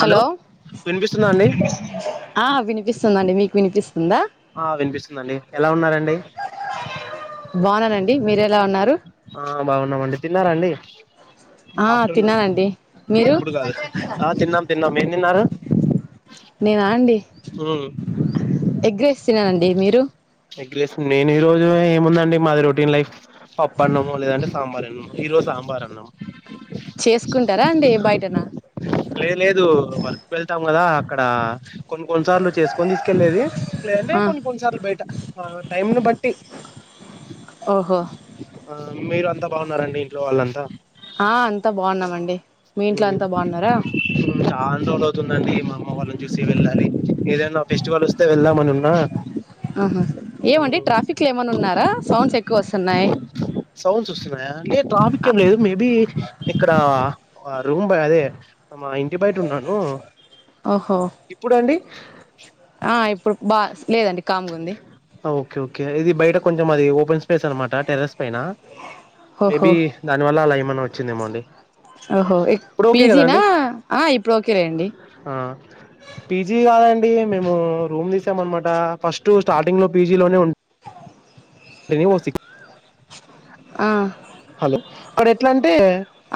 Hello వినిపిస్తుందా అండి ఆ వినిపిస్తుందండి మీకు వినిపిస్తుందా ఆ వినిపిస్తుంది అండి ఎలా ఉన్నారండి బాగున్నా నండి మీరు ఎలా ఉన్నారు ఆ బాగున్నామండి తిన్నారా అండి ఆ ఆఫ్టర్నూన్ తిన్నానండి మీరు ఇప్పుడు కాదు ఆ తిన్నాం తిన్నాం ఏం తిన్నారు నేనాండి ఉమ్ ఎగ్ రైస్ తిన్ననండి మీరు ఎగ్ రైస్ నేను ఈ రోజు ఏముందండి మాది రొటీన్ లైఫ్ పప్పు అన్నము లేదంటే సాంబార్ అన్నము ఈ రోజు సాంబార్ అన్నం చేసుకుంటారా అండి బయటనా లేదు లేదు వర్క్ వెళ్తాం కదా అక్కడ కొన్ని కొన్నిసార్లు చేసుకుని తీసుకెళ్లేది లేంటే ఆ కొన్ని కొన్నిసార్లు బయట ఆ టైమ్ ను బట్టి ఓహో ఆ మీరు అంతా బాగున్నారండి ఇంట్లో వాళ్ళంతా ఆ అంతా బాగున్నామండి మీ ఇంట్లో అంతా బాగున్నారా చాన్ రోజులు అవుతుందండి మా అమ్మ వాళ్ళని చూసి వెళ్ళాలి ఏదైనా ఫెస్టివల్ వస్తే వెళ్దామనివున్నా ఆహా ఏమండి ట్రాఫిక్ లో ఏమన్నా ఉన్నారా సౌండ్స్ ఎక్కువ వస్తున్నాయి. సౌండ్స్ వస్తున్నాయా లేదు ట్రాఫిక్ ఆ, ఏం లేదు మేబి ఇక్కడ మా రూమ్ బాదే మా ఇంటి బయట ఉన్నాను ఓహో ఇప్పుడండి ఆ ఇప్పుడు బా లేదండి కామ్గుంది ఓకే ఓకే ఇది బయట కొంచెం అది ఓపెన్ స్పేస్ అనమాట టెర్రస్ పైన ఓహో మేబీ దాని వల్ల అలా ఏమన్న వచ్చిందేమోండి ఓహో ఏక్ పీజీనా ఇప్పుడు ఓకేలే అండి హా పీజీ కాదండి మేము రూమ్ తీసాం అనమాట ఫస్ట్ స్టార్టింగ్ లో పీజీ లోనే ఉ అ తేనివోసిక ఆ హలో అక్కడ ఎట్లా అంటే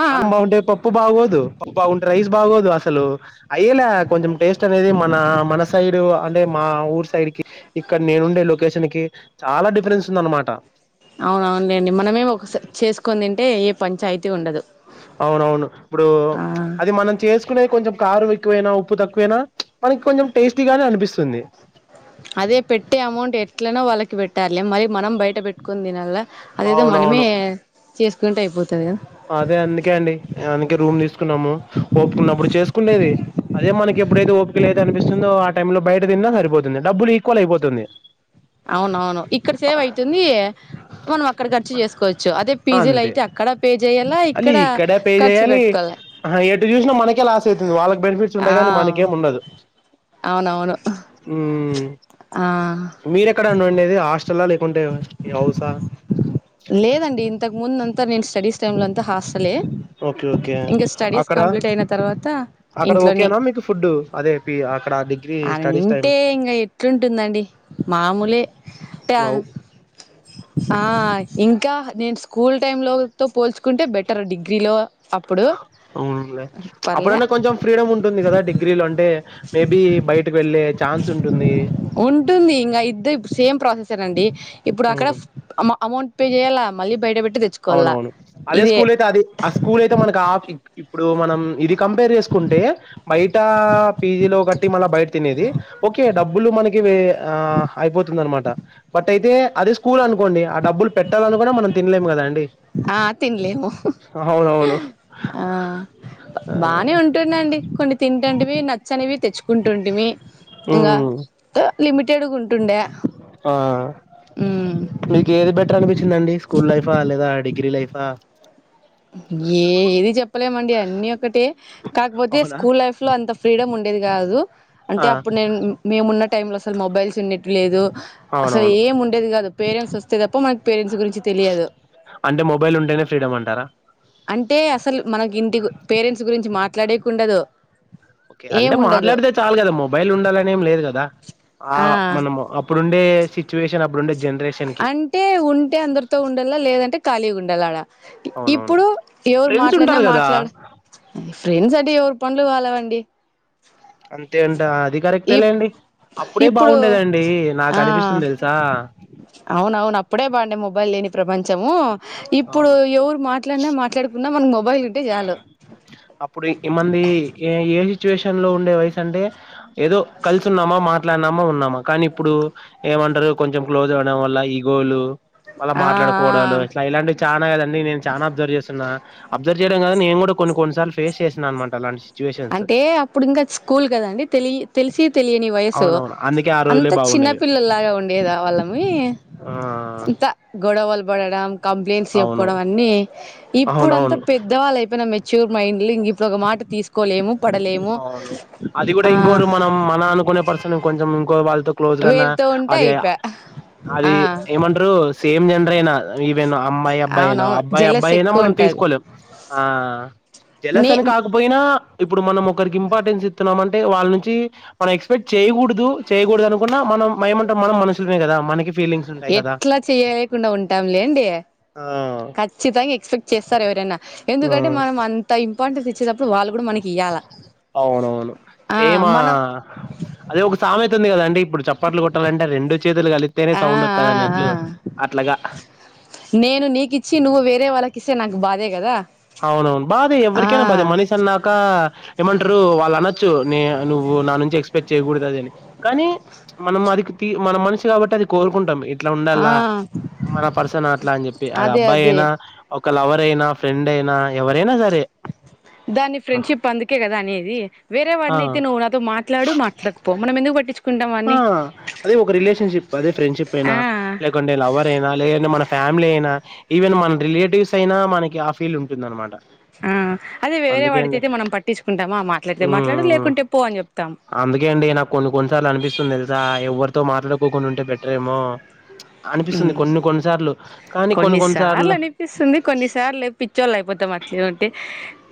ఆ ఆ. అన్నం బాగుంటాయి పప్ ప్పు బాగోదు పప్పు బాగుంటే రైస్ బాగోదు అసలు అయ్యేలా కొంచెం టేస్ట్ అనేది మన మన సైడు అంటే మా ఊరు సైడ్ కి ఇక్కడ నేనుండే లొకేషన్ కి చాలా డిఫరెన్స్ ఉందనమాట అవునవునులేండి మనమే ఒక సే చేసుకుని తింటే ఏ పంచాయతీ ఉండదు అవునవును ఇప్పుడు ఆ అది మనం చేస్ కునే కొంచెం కారం ఎక్కువైనా ఉప్పు తక్కువైనా మనకి కొంచెం టేస్టీగానే అనిపిస్తుంది. అదే పెట్టే అమౌంట్ ఎట్లనో వాళ్ళకి పెట్టాలి మరి మనం బయ బయట పెట్టుకుని దీనల్ల అదేదో మనమే అవునవును చేసుకుంటే అయిపోతుంది కదా అదే అందుకే అండి అందుకే రూమ్ తీసుకున్నాము ఒపికున్నప్పుడు చేసుకుండేది అదే మనకిప్పుడైతే ఓపిక లేదు అనిపిస్తుందో ఆ టైమ్ లో బయట తిన్నా సరిపోతుంది డబ్బులు ఈక్వల్ అయిపోతుంది. అవునవును ఇక్కడ సేవ్ అయితుంది మనం అక్కడ ఖర్చు చేసుకోవచ్చు అదే పిజీలు అంతే అయితే అక్కడ పే జేయాల అది ఇక్కడ పే ఖర్చు చేయాలి పెట్టుకోవాల ఆహా ఎటు చూసినా మనకే లాస్ అయితుది వాళ్ళ బెనిఫిట్స్ ఆ ఉంటాయి కాని మనకేం ఉండదు. అవునవును ఆ మీరెక్కడ అండి ఉండేది హాస్టల్ లేకుంటే మీ హౌసా లేదండి ఇంతకు ముందు అంతా నేను స్టడీస్ టైమ్ లో అంతా హాస్టలే ఓకే ఓకే ఇంకా స్టడీస్ అక్కడ కంప్లీట్ అయిన తర్వాత అక్కడ ఇంట్లోనే ఓకేనా మీకు ఫుడ్ అదే పి అక్కడ డిగ్రీ స్టడీస్ టైం అంటే ఇంగా ఎట్లా ఉంటుందండి మామూలే అంటేవంఆ అవు ఆ ఇంకా నేను స్కూల్ టైంలోతో పోల్చుకుంటే బెటర్ డిగ్రీలో అప్పుడు అవునులే పర్లే అప్పుడన్న కొంచెం ఫ్రీడమ్ ఉంటుంది గదా డిగ్రీలో అంటే మే బీ బయట్ ఉంటుంది ఇంగా ఇద్దర్ సేమ్ ప్రాసెసే నండి ఇప్పుడు అక్కడ మ్మ్ అమ అమౌంట్ పే జెయ్యలా మళ్ళీ బయట బెట్ అవునవును అదే స్కూల్ అయితే అది ఆ స్కూల్ అయితే మనకు ఆ ఇప్పుడు మనం ఇది కంపేర్ జేసుకుంటే బయటా పీ జీలో గట్టి మళ్ళ బయట తినేది ఓకే డబ్బులు మనకి వే ఆ అయిపోతుందనమాట బట్ అయితే అదే స్కూల్ అనుకోండి ఆ డబ్బులు పెట్టాలన్న గూడ మనం తినలేము కదా అండీ ఆ తినలేము ఆ ఆ బానే ఉన్ ట్టుందండి కొన్ని తింతాంటివి నచ్చనివి తెచ్చుకుంటుంటిమీ ఇంగా హ్మ్ గ లిమిటెడ్ గుంటుండే ఆ ఆ మీకు ఏది బెటర్ అనిపిచ్చిదండి స్కూల్ లైఫా లేదా డిగ్రీ లైఫా ఏది చెప్పలేమండి అన్నీ ఒకటే కాకపోతే అవునా స్కూల్ లైఫ్ లో అంత ఫ్రీడమ్ ఉండేది గాదు అంటే ఆ అప్పుడు నేను మేమున్న టైమ్ లో అసలు మొబైల్స్ ఉండెట్టివి లేదు అసలు అవునవును ఏం ఉండేది కాదు పేరెంట్స్ వస్తే తప్ప మనకి పేరెంట్స్ గురించి తెలియదు అంటే మొబైల్ ఉంటేనే ఫ్రీడమ్ అంటారా అంటే అసలు మనకి ఇంటి గు పేరెంట్స్ గురించి మాట్లాడేకుండదు ఓకే ఏం అంటే ఉండదు మాట్లాడితే చాలు కదా, మొబైల్ ఉండాలనేం లేదు గదా ఆ మనము అప్ ప్పుడుండే స్ చువేషన్ అప్పుడుంన్ అంటే ఉంటే అందరితో ఉండాల్ల లేదంటే ఖాళీగా ఉండాలి ఆడ అవునవును ఇప్పుడు ఎవరు ఫ్రెండ్స్ మాట్లాడినా ఉంటారు కదా మాట్లాడ ఫ్రెండ్ అంటె ఎవరు పండ్లు వాలవండి అంతేఅంటావా అది ఈ కరెక్టే లేండి అప్పుడే ఇప్పుడు బావుండేదండి నాకనిపిస్తుంది తెల్స్ సా అవున అవును అప్పుడే బాగుండే మొబైల్ లేని ప్రపంచము ఇప్పుడు అవును ఎవరు మాట్ ట్లన్న మాట్లాడుకున్నా మనకు మొబైల్ ఉంటే చాలు అప్పుడే ఇమ్మంది ఏ సిచువేషన్ లో ఉండే వయసంటే ఏదో కలిసున్నామ మాట్ ట్లనమ్మ ఉన్నామా కనీప్పుడు ఏమంటరు కొంచెం క్లోజ్ అవ్వడం వల్ల ఈగోలు వాళ్ళ ఆ ఆ మాట్లాడుకోవడాలు ఇట్ల ఇలాంటివి చానా కదండి నేను చా అబ్జర్వ్ చేస్తున్నా అబ్జర్వ్ చేయడం గాదు నేను కూడా కొన్ని కొన్ని సార్లు ఫేస్ చేసిన అనమాట అలాంటి సిచ్యువేషన్స్ అంటే అప్పుడు ఇంకా స్కూల్ గదండి తెలియ తెలిసి తెలియని వయస్సు అవునవును అందుకే ఆ రోజులే అంత చిన్న బాగుండేవి పిల్లల్లాగా ఉండేదవాళ్ళమి ఆ అంత గొడవలు పడడం కంప్లైంట్స్ అవును చెప్పుకోవడం అన్ని ఇప్పుడుంతా అవునవును పెద్దవాళ్ళు అయిపోయినం మెచ్యూర్ మైండ్లి ఇంగ ఇప్పుడొక మాట తీసుకు అవును అది గూడా ఆ ఇంకోరు మనం మన అనుకునే పర్సన్ ఇంకొంచెం ఇంకో వాళ్ళతో క్లోజ్ గన్న వేరుతో ఉంటే అది అయిపోయా అది ఆ ఏమంటరు సేమ్ జెండరయిన ఈవెన్ అమ్మాయి అబ్బాయినా, అవునవును అబ్బాయి జలస్ అబ్బాయి అయినా ఎక్కువ మనం ఉంటది తీసుకోలేం ఆ నే జలసని కాకపో పోయినా ఇప్పుడు మనం ఒకరికి ఇంపార్టెన్స్ ఇత్తున్నాంమంటే వాళ్ళ నుంచి మనం ఎక్స్పెక్ట్ చేయకూడదు చేయకూడదనుకున్న మనం ఏమంటాం మనం మనుషులమే కదా మనకి ఫీలింగ్స్ ఉంటాయి కదా ఎట్లా చేయలేకుండా ఉంటాం లేండి ఆ ఖచ్ ఖచ్చితంగా ఎక్స్పెక్ట్ చేస్తారు ఎవరన్న ఆ ఎందుకంటే మనం అంత అంత ఇంపార్టెన్స్ ఇచ్చేటప్పుడు వాళ్ల గూడా మనకి ఇయ్యాల అవునవును ఆ మనం అది ఒక సామెత ఉంది కదండి ఇప్పుడు చప్పట్లు కొట్టాలంటే రెండు చేతులు కాలిత తేనే ఆ సౌండ్ వస్తాధ ఆ అన్నట్లు ఆ అట్లగా నేను నీకిచ్చి నువ్వు వేరే వాళ్లకి ఇస్తే నాకు బాధే గదా అవునవును బాదే ఎవ్వరికైనా బాదే మనిషి అన్నాక ఏమంటరు వాళ్ల అనొచ్చు నే నువ్వు నా నుంచి ఎక్స్పెక్ట్ చేయగుడదు అన్నీ కానీ మనం అది తీ మన మనిషి కాబట్టి అది కోరుకుంటాం ఇద అట్లా ఆ ఉండల్లా మన పర్సన్ అట్లా అన్ జెప్పి అది అదే అబ్బాయి అదే ఏయినా ఒక లవర్ ఏయినా ఫ్రెండ్ ఏయినా ఎవరైనా సరే దాన్ని ఆ! ఫ్రెండ్షిప్ అందుకే గదా అనేది వేరే వాడినయితే నువ్ నాతో మాట్లాడు మాట్లాడకపో మనం ఎందుకు పట్టించు కుంటాం అన్ని అది ఒక రిలేషన్షిప్ అదే ఫ్రెడ్షిప్ ఏయినా ఆ లేకుంటే లవర్ ఏయినా లేదంటే మన ఫ్యామిలీ ఏయినా ఈవెన్ మన రిలేటివ్స్ అయినా మనకి అఫ్ ఫీల్ ఉంటుందన్నమాట ఆ అదే వేరేవాడితయితే మనం పట్టించుకుంటామా మాట్లాడితే మాట్లాడు హ్మ్. లేకుంటే పో అని జేప్తా అందుకే అండి నాకు కొన్ని కొన్నిసార్లు అనిపిస్తుంది తెలుసా ఎవ్వరితో మాట్లాడుకోకుండుంటే బెటర్ ఏమో మ్చ్ అనిపిస్తుంది కొన్ని కొన్నిసార్లు కానీ కొన్ని కొన్నిసార్లు ఇస్తుంది కొన్నిసార్లు పిచ్చోళ్ళు అయిపోతాం అట్లే ఉంటే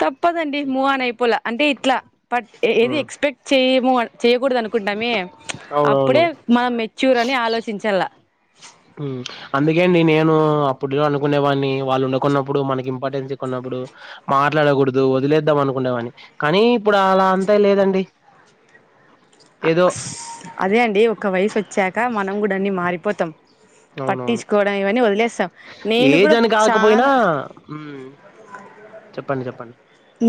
తప్పదండి మూవాన్ అయిపోలా అంటే ఇట్లా పట్ ఏ ఏది ఉమ్ ఎక్స్పెక్ట్ చేయము చేయగూడదు అనుకుంటామే మ్చ్ అవునవును అప్పుడే మనం మెచ్యూర్ అని ఆలోచించాలా ఉమ్మ్ చ్ అందుకేండి నేనూ అప్పుడులో అనుకునే వాడ్ని వాళ్లు ఉన్నకున్నప్పుడు మనకి ఇంపార్టెన్స్ ఈకొన్నప్పుడు మాట్లాడగూడదు వదిలేద్దాం అనుకునే వాడిని కానీ ఇప్పుడు అలా అంతే లేదండి కొ కో ఏదో అదే అండి ఒక్క వయసోచ్చాక మనం గూడ అన్ని మారిపోతాం అవునవును పట్టించుకోవడం ఇవన్నీ వదిలేస్తాం నేను ఏజ్ కూడా అని గాకపోయినా చానా ఉమ్మ్ చెప్పండి చెప్పండి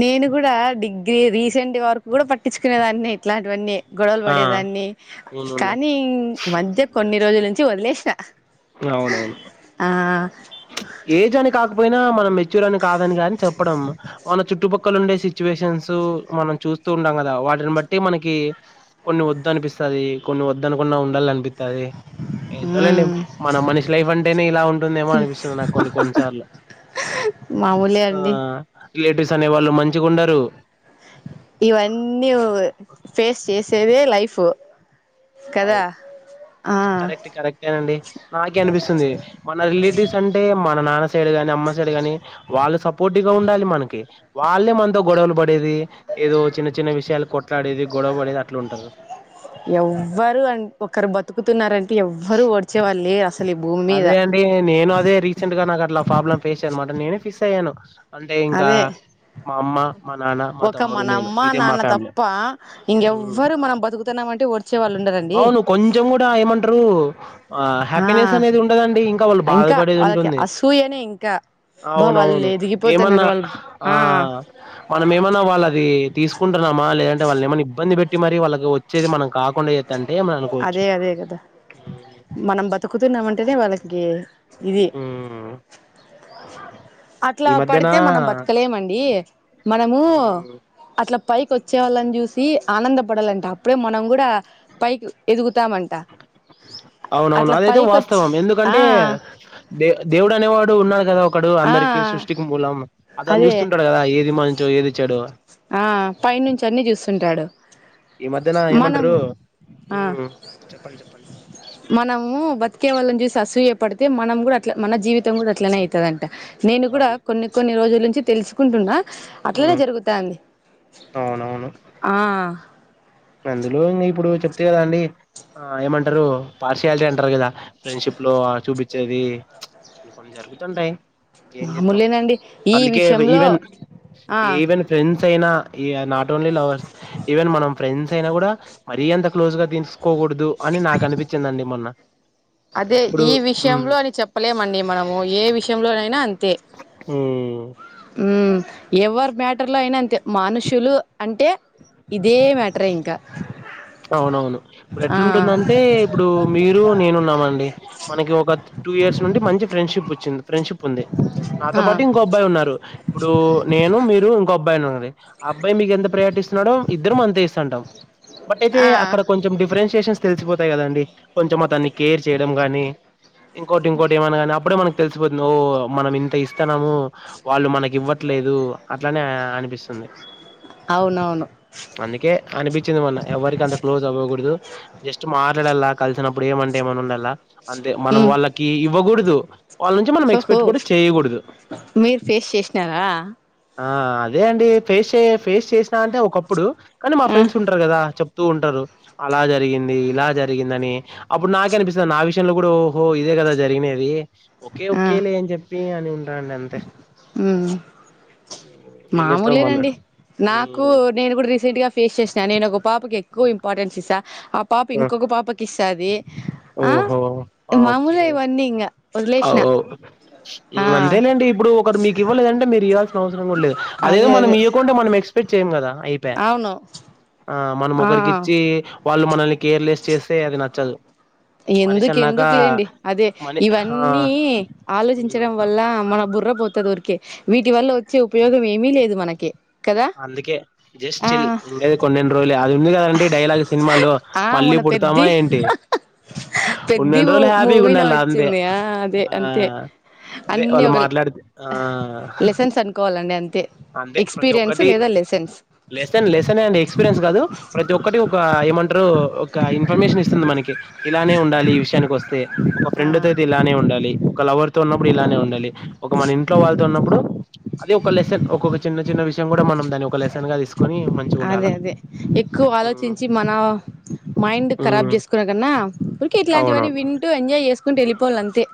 నేను గూడ డిగ్రీ రీసెంట్ వరకు గూడ పట్టించుకునే దాన్నే ఇట్లాంటివన్నీ గొడవలు ఆ బడేదాన్ని అవునవునులే కానీ మధ్య కొన్ని రోజుల నుంచి వదిలేసిన అవునవును ఆ మ్చ్ ఏజ్ అ ని కాకపోయినా మనం మెచ్యూర్ అని కాదని గానీ చెప్పడం మా మన చుట్టుపక్కల ఉండే సిట్యుయేషన్సు మనం చూస్తూ ఉంటాం గదా వాటిని బట్టి మనకి కొన్ని వద్దు అనిపిస్తది కొన్ని వద్దనుకున్నా ఉండాలఅనిపిత్ తది ఎందో లేండి మ్మ్ మన మనిషి లైఫ్ అంటేనే ఇలా ఉం టూదేమో అనిపిస్తుంది నాకు కొన్ని కొన్నిసార్లు మామూలే ఆ అండి ఆ రిలేటివ్స్ అనే వాళ్లు మంచిగుండరు ఇవన్నీ ఒగ్ ఫేస్ చేసేదే లైఫ్ కదా అవు ఆ కరెక్ట్ కరెక్టేనండి నాకే అనిపిస్తుంది మన రిలేటివ్స్ అంటే మన నాన్న సైడ్ గానీ అమ్మ సైడ్ గానీ వాళ్లు సపోర్టివ్ గా ఉండాలి మనకి వాళ్ళే మనతో గొడవలు బడేది ఏదో చిన్న చిన్న విషయాలు కొట్లాడేది గొడవ డేది అట్ల ఉంటరు ఎవ్వరూ అన్ ఒకరు బతుకుతున్నారంటే ఎవ్వరు ఓడ్చేవాళ్లు లేర్ అస్ అదే అండి నేను అదే రీ రీసెంట్ గా నాక్ అట్ల ఫ్రాబ్లం ఫేస్ అన్నమాట నేనే ఫిస్ అయ్యాను అంటే ఇంకా అదే మా అమ్మ మా నాన ఒక మన అమ్మా నాన్న తప్పా ఉమ్. ఇంగెవ్వరు మనం బతుకుతున్నాం అంటే వోడ్చే వాళ్ళు ఉండరన్ అవును కొంచెం గూడా ఏమంటరూ ఆ హ్యాపీనెస్ అనేది ఉండదండి ఇంకా వాళ్ళు బాధపడేదుంటుంది సూయనే ఇంకా అబ్బా వాళ్ళు అవునవును ఎదిగిపోతున్నారు ఏమన్నా వాళ్ళు హ్ ఆ మనం ఏమన్నా వాళ్ళదీ తీసుకుంటన్నమా లేదంటే వాళ్ళనేమన్న ఇబ్బంది పెట్టి మరీ వాళ్ళకు వచ్చేది మనం కాకుండ చే అదే అదే గదా మనం బతుకుతున్నామంటేనే వాళ్ళకీ ఇది ఊమ్ అట్లా పడితే మనం బతకలేమండీ మనమూ మ్మ్ అట్ల పైకొచ్చే వాళ్ళని జూసి ఆనందపడాలంట అప్పుడే మనం గూడా పైకి ఎదుగుతామంట అవునవును అట్ల పైకొచ్ ఆ దె దేవుడనేవాడు ఉన్నాడు గదా ఒకడు ఆ అందరికి సృష్టికి మూలం అతను అదే చూస్తుంటాడ్ కదా ఏది మంచో ఏది చెడో ఆ పైనుంచి అన్ని చూస్సుంటాడు ఈ మధ్యనా ఏమంటరూ ఊమ్ చెప్పండి చెప్పండి మనమూ బతికే వాళ్ళని జూసి అసూయ పడితె మనం గుడ అట్ల మన జీవితం గూడ అట్లనె అయితదంట నేను కూడా అవును కొన్ని కొన్ని రోజుల్నుంచి తెలుసు కుంటున్నా అట్లనే మ్మ్ జరుగుతాంది అవునవును ఆ అందులో ఇంగ ఇప్పుడు చెప్తి కదా అండి ఆ ఏమంటరూ పార్షాలిటీ అంటరు గదా ఫ్రెండ్షిప్ లో ఆ చూపిచ్చేది కొన్ని జరుగుతుంటయ్ ఏం చెత్తం మామూలేనండి ఈ అందుకే వె విషయంలో ఈవెన్ ఆ ఈవెన్ ఫ్రెండ్స్ అయినా ఈ నాట్ ఓన్లీ లవర్స్ ఈవెన్ మనం ఫ్రెండ్స్ అయినా గూడా మరీ అంత క్లోజ్ గా తీసుకోకూడదు అని నాకు అనిపించిందండి మొన్న అదె ఇప్పుడు ఈ మ్మ్ విషయంలో అని చెప్పలేమండి మనము ఏ విషయంలోనైనా అంతే ఊమ్ ఊమ్ ఎవ్వర్ మ్యాటర్ లో అయిన అంతే మనుషులు అంటే ఇదే మ్యాటరే ఇంక అవునవును ఇప్పుడెట్లుంటుందంటే ఇప్పుడూ మీరూ నేనున్నామండి మనకి ఒక టూ ఇయర్స్ నుండి మంచి ఫ్రెండ్షిప్ వచ్చింది ఫ్రెండ్షిప్ ఉంది నాతో ఆ పాటు ఇంకో అబ్బాయి ఉన్నారు ఇప్పుడూ నేనూ మీరు ఇంకో అబ్బాయి ఉన్నడండి ఆ అబ్బాయి మీకు ఎంత ప్రయారిటీ ఇస్తున్నాడో ఇద్దరం అంతే ఇస్తాంటాం బట్ అయితే ఆ అక్కడ కొంచెం డిఫరెన్షియేషన్స్ తెలిసిపోతాయి కదండి కొంచెం అతన్ని కేర్ చేయడం గానీ ఇంకోటి ఇంకోటి ఏమన్న గానీ అప్పుడే మనకు తెలిసిపోతుంది ఓ మనం ఇంత ఇస్ తనమూ వాళ్ళు మనకి ఇవ్వట్లేదూ అట్లనే అనిపిస్ తుంది అవునవును అందుకే అనిపించింది మొన్న ఎవ్వరికి అంత క్లోజ్ అవ్వకూడదు జస్ట్ మాట్లాడల్లా కలిసినప్పుడు ఏమంటే ఏమని ఉండల్ల అంతె మనం ఉమ్ వాళ్ళకీ ఇవ్వగూడదు వాళ్ళ నుంచి మనం ఓహో ఎక్స్పెక్ట్ కూడ చేయగూడదు మీరు ఫేస్ చేసినారా ఆ అదే అండి ఫేస్ చే ఫేస్ చేసినా అంటే ఒకప్పుడు కానీ మా ఆ ఫ్రెండ్స్ ఉంటరు కదా చెప్తూ ఉంటరు అలా జరిగింది ఇలా జరిగిందని అప్పుడు నాకే అనిపిస్తది నా విషయంలో గూడ ఓహో ఇదే కదా జరిగినేది ఒకె ఆ ఒకే లే అని చెప్పీ అని ఉంటాండు అంతే మ్మ్ హ్మ్. ఏం చెత్తం మనం మామూలేనండి నాకూ హ్మ్ నేను గూడ రీసెంట్ గా ఫేస్ చేస్న నేను ఒక పాపకి ఎక్కువ ఇంపార్టెన్స్ ఇస్తా ఆ పాప ఇంకొక పాపక్ ఇస్సాది ఆ ఓహో మాముూలే ఇవన్నీ ఇంగ వదిలేసిన అవవ్ ఆ ఉ అంతేలేండి ఇప్పుడు ఒకడు మీకు ఇవ్వలేదంటే మీరు ఇయ్యాల్సి న అవసరం కూడ లేదు అదే మనం ఈయకుంటె మనం ఎక్స్పెక్ట్ చేయం కదా. అయిపాయ్ అవును ఆ మనం ఆ ఒకరికి ఇచ్చీ వాళ్ళు మనల్ని కేర్లెస్ చేస్తే అది నచ్చదు. మనిషి ఎందుకు ఎందుకు అన్నాక లేండి అదే మనీ ఆ ఇవన్నీ ఉమ్ ఆలోచించడం వల్ల ల్ల మన బుర్ర పోతది ఊరికె వీటి వల్ల వచ్చే ఉపయోగం ఏమీ లేదు మనకి కదా. అందుకే జస్ట్ ఆ చిల్ ఉండేది కొన్నెండు రోజులే అది ఉంది కదండి డైలాగ్ సినిమాలో ఆ మళ్ళీ మొన్న పుడతామా పెద్ది ఏంటి. పెద్ది ఉన్నెని రోజులు హ్యాపీగా మూవీలో ఉండాల అంతే వచ్చింది ఆ అదే ఆ అంతే అదె అన్ని వాళ్ ఒక మాట్లాడితే ఆ లెసన్స్ అనుకోవాలండి అంతే అంతె ప్రతి ఒక్క ఎక్స్పీరియన్స్ డి లేదా lessons lesson lesson and experience కాదు ప్రతి ఒక్కటి ఒక ఏమంటరు ఒక ఇన్ఫర్మేషన్ ఇస్తుంది మనకి. ఇలానే ఉండాలి ఈ విషయానికి వస్తే ఒక ఫ్రెండ్ తో అయితే ఇలానే ఉండాలి, ఒక లవర్ తో ఉన్నప్పుడు ఇలానే ఉండాలి. ఒక మన ఇంట్లో వాళ్ళతో ఉన్నప్పుడు అది ఒక లెసన్ ఒకొక చిన్న చిన్న విష యం కూడా మనం దాన్ని ఒక లెస్సన్ గా తీసు అదే అదే ఎక్కువ హ్మ్ ఆలోచించి మన మైండ్ హ్మ్ కరాబ్ చేసు కునే కన్నా ఊరికే ఇట్లాంటివన్నీ అవునవును. వింటూ ఎంజాయ్ చేసుకుంటూ ఎళ్ళిపోవాలె అంతే.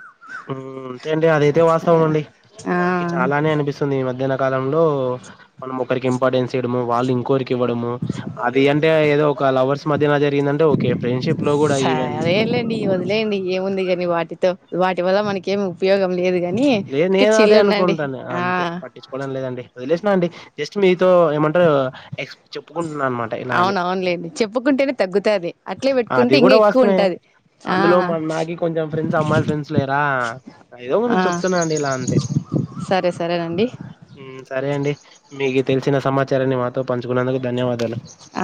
అంతే అండి అదయితే వాస్తవం అండి, ఆ మాకి చాలానే అనిపిస్ స్తుంది ఈ మధ్యన కాలంలో మనం ఒకరికి ఇంపార్టెన్స్ ఇయ్యడము వాళ్ళు ఇంకోకరికి ఇవ్వడము అది అంటే ఏదో ఒక లవర్స్ మధ్యన జరిగిందంటే ఒకే ఫ్రెండ్షిప్ లో కూడా ఈవెన్ ఎలాంటీయి వది లేండి ఏముంది కాని వాటితో వాటి వల్ల మనకేమి ఉపయోగం లేదు గాని. లేదు నేను అదే అనుకుంటాన్న అంతే పట్టించుకోవడం లేదండి. వదిలేసినా అండి జస్ట్ మీతో ఏమంటరు ఎక్స్ చెప్పుకుంటున్నా అనమాట ఇలా అని. అవును అవునులేండి చెప్పుకుంటేనే తగ్గుతది అట్లే పెట్టుకుంటే అది ఇంకా కూడా ఎక్కువ వాస్తమే. ఉంటది ఆ అందులో మన నాకి కొంచెం ఫ్రెండ్స్ అమ్మాయిల ఫ్రెండ్స్ లేరా ఏదో ఆ మీకు చెప్తున్నా నాండి ఇలా అంతే. సరే సరేనండి సరే అండి మీకు తెలిసిన సమాచారాన్ని మా తో పంచుకున్నందుకు ధన్యవాదాలు,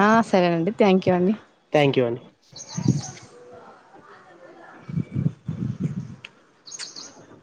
ఆ సరేనండి థ్యాంక్ యూ అండి థ్యాంక్ యూ అండి. అహ